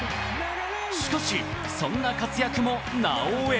しかし、そんな活躍もなおエ。